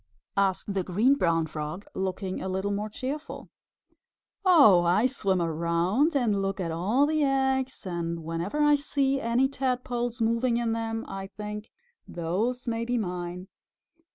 asked the Green Brown Frog, looking a little more cheerful. "Oh, I swim around and look at all the eggs, and whenever I see any Tadpoles moving in them I think, 'Those may be mine!'